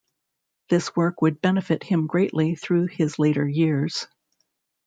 This work would benefit him greatly through his later years.